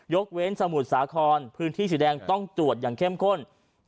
เว้นสมุทรสาครพื้นที่สีแดงต้องตรวจอย่างเข้มข้น